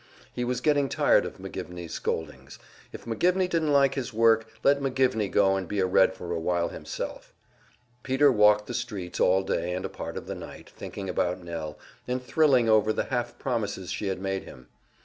He was getting tired of McGivney's scoldings; if McGivney didn't like his work, let McGivney go and be a Red for a while himself. Peter walked the streets all day and a part of the night, thinking about Nell, and thrilling over the half promises she had made him.